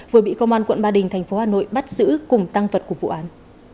vừa bị công an quận ba đình tp hà nội bắt giữ cùng tăng vật của vụ án